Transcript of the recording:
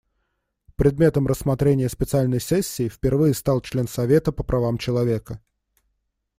Предметом рассмотрения специальной сессии впервые стал член Совета по правам человека.